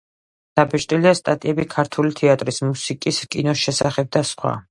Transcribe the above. დაბეჭდილია სტატიები ქართული თეატრის, მუსიკის, კინოს შესახებ და სხვა.